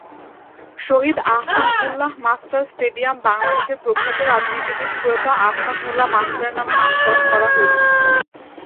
শহীদ Ahsan Ullah master stadium বাংলাদেশের প্রখ্যাত রাজনীতিবিদ প্রয়াত আহসান উল্লাহ মাস্টার এর নামে নামকরণ করা হয়েছে।